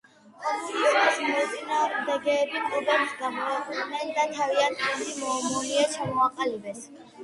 კომუნიზმის მოწინააღმდეგეები კლუბს გამოეყვნენ და თავიანთი გუნდი, „ომონია“ ჩამოაყალიბეს.